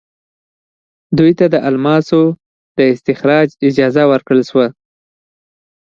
دوی ته د الماسو د استخراج اجازه ورکړل شوه.